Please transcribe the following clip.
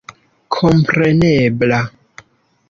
komprenebla.